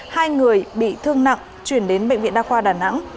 hai người bị thương nặng chuyển đến bệnh viện đa khoa đà nẵng